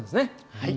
はい。